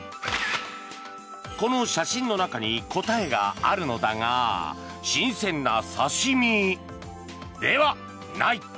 この写真の中に答えがあるのだが新鮮な刺し身ではない。